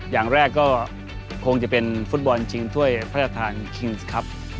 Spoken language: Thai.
อย่างแรกก็คงจะเป็นฟุตบอลชิงถ้วยพระราชทานคิงส์ครับ